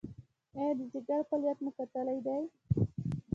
ایا د ځیګر فعالیت مو کتلی دی؟